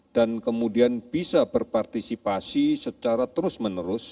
dan kemudian bisa berpartisipasi secara terus menerus